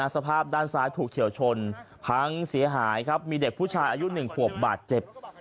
สภาพด้านซ้ายถูกเฉียวชนพังเสียหายครับมีเด็กผู้ชายอายุ๑ขวบบาดเจ็บ